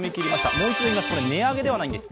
もう一度いいます値上げではないんです。